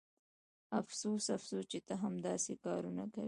افسوس افسوس چې ته هم داسې کارونه کوې